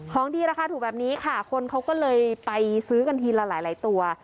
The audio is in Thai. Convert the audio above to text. ของดีราคาถูกแบบนี้ค่ะคนเขาก็เลยไปซื้อกันทีละหลายตัว